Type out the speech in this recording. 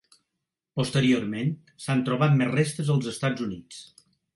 Posteriorment s'han trobat més restes als Estats Units.